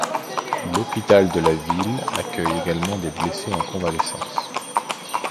L'hôpital de la ville accueille également des blessés en convalescence.